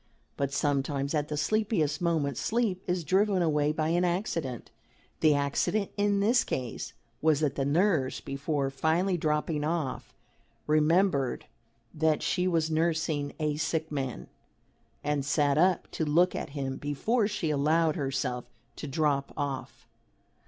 But sometimes at the sleepiest moment sleep is driven away by an accident. The accident in this case was that the nurse before finally dropping off remembered that she was nursing a sick man, and sat up to look at him before she allowed herself to drop off.